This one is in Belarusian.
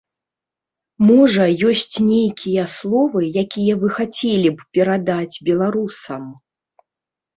Можа, ёсць нейкія словы, якія вы хацелі б перадаць беларусам?